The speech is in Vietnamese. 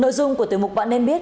nội dung của từ mục bạn nên biết